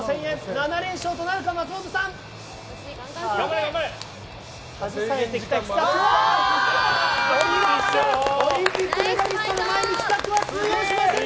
７連勝となるか松本さん。